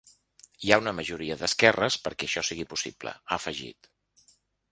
Hi ha una majoria d’esquerres perquè això sigui possible, ha afegit.